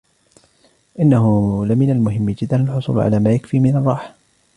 انه لمن المهم جداً الحصول على ما يكفي من الراحة.